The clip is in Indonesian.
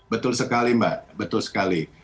betul sekali mbak betul sekali